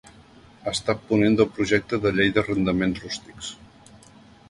Ha estat ponent del projecte de Llei d'Arrendaments Rústics.